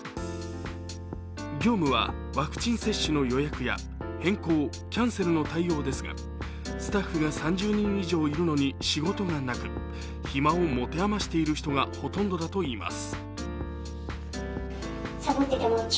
業務はワクチン接種の予約や変更・キャンセルの対応ですがスタッフが３０人以上いるのに仕事がなく、暇を持て余している人がほとんどだといいます。